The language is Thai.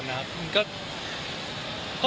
คุณบอกตรงนั้นนะคะ